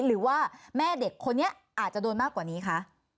หรือว่าแม่เด็กคนนี้อาจจะโดนมากกว่านี้คะ